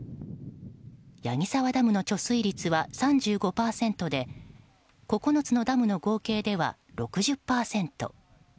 矢木沢ダムの貯水率は３５％で９つのダムの合計では６０％。